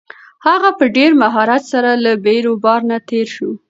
هغه په ډېر مهارت سره له بیروبار نه تېر شو.